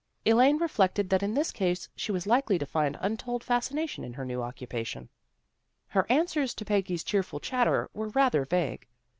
Elaine reflected that in this case she was likely to find untold fascination in her new occupation. Her answers to Peggy's cheerful chatter were rather vague.